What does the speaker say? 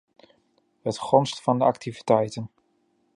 Het gonst van de activiteiten.